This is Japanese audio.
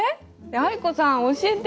藍子さん教えてよ。